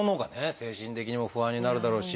精神的にも不安になるだろうし。